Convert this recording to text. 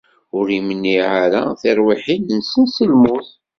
Ur imniɛ ara tirwiḥin-nsen si lmut.